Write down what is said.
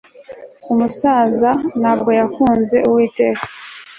umusaza ntabwo yakunze uwiteka